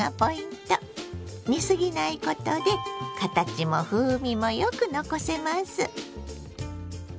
煮すぎないことで形も風味もよく残せます。